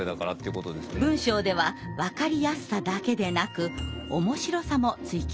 文章ではわかりやすさだけでなく面白さも追求します。